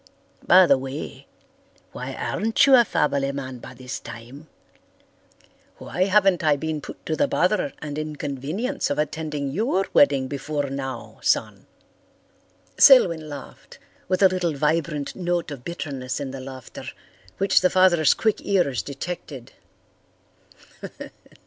By the way, why aren't you a family man by this time? Why haven't I been put to the bother and inconvenience of attending your wedding before now, son?" Selwyn laughed, with a little vibrant note of bitterness in the laughter, which the father's quick ears detected.